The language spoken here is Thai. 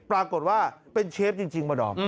ปรากฏว่าเป็นเชฟที่จริง